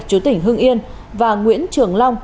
chú tỉnh hưng yên và nguyễn trường long